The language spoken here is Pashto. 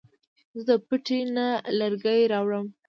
زه د پټي نه لرګي راوړم